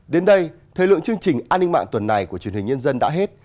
đến đây thời lượng chương trình an ninh mạng tuần này của truyền hình nhân dân đã hết